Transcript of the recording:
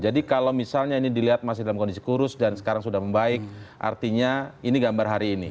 jadi kalau misalnya ini dilihat masih dalam kondisi kurus dan sekarang sudah membaik artinya ini gambar hari ini